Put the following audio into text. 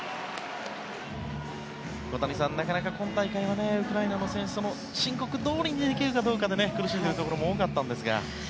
小谷さん、なかなか今大会はウクライナの選手申告どおりにできるかどうかで苦しんでいるところも多かったんですが。